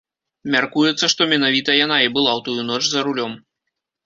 Мяркуецца, што менавіта яна і была ў тую ноч за рулём.